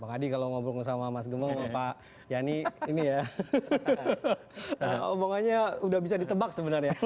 bang adi kalau ngobrol sama mas gemeng pak yani ini ya omongannya udah bisa ditebak sebenarnya